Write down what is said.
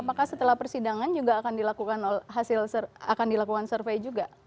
apakah setelah persidangan juga akan dilakukan hasil akan dilakukan survei juga